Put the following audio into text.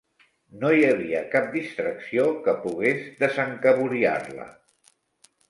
No hi havia cap distracció que pogués desencaboriar-la.